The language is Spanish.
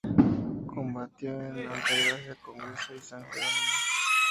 Combatió en Altagracia, Congreso, y San Jerónimo.